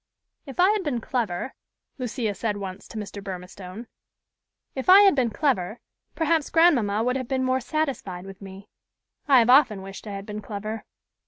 "If I had been clever," Lucia said once to Mr. Burmistone, "if I had been clever, perhaps grandmamma would have been more satisfied with me. I have often wished I had been clever."